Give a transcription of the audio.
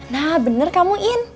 nah bener kamu in